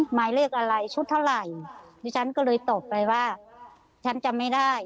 หมายเลขอะไรชุดเท่าไหร่ดิฉันก็เลยตอบไปว่าฉันจำไม่ได้